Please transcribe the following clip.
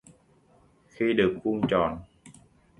Khi được vuông tròn